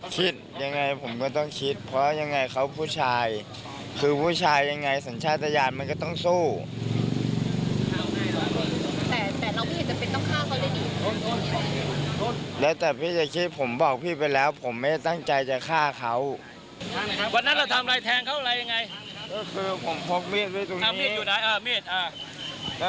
คำพูดของผู้ต้องหาก็นิ่งเฉย